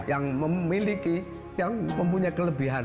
yang memiliki yang mempunyai kelebihan